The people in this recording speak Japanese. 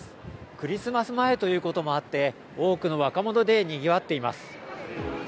クリスマス前ということもあって多くの若者でにぎわっています。